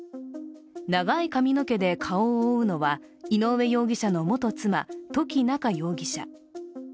長い髪の毛で顔を覆うのは井上容疑者の元妻・土岐菜夏容疑者。